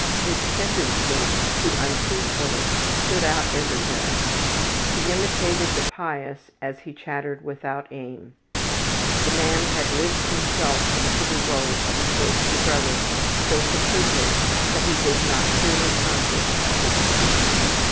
His tendency to untruthfulness stood out everywhere. He imitated the pious as he chattered without aim. The man had lived himself into the role of a cloister brother so completely that he was not clearly conscious of the deceit.